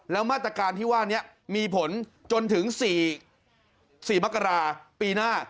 แล้วมาตรการที่ว่านี้มีผลจนถึง๔มกราปีหน้า